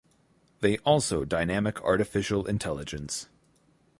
They also dynamic artificial intelligence.